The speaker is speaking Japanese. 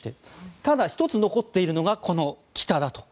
ただ、１つ残っているのが北だと。